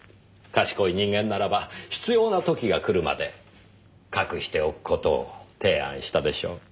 賢い人間ならば必要な時が来るまで隠しておく事を提案したでしょう。